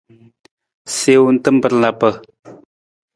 Siwung tamar lapa.